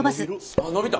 あっ伸びた。